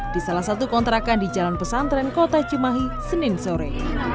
di salah satu kontrakan di jalan pesantren kota cimahi senin sore